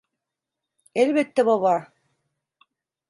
Elbette, baba.